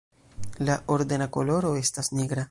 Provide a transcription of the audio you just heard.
La ordena koloro estas nigra.